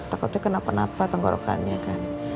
takutnya kenapa kenapa tenggorokannya kan